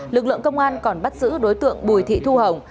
lực lượng công an còn bắt giữ đối tượng bùi thị thu hồng